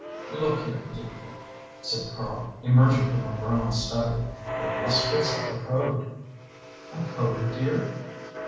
"Look here, liebchen," said Karl, emerging from a brown study, "we must fix up a code." "A code, dear?"